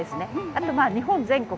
あと日本全国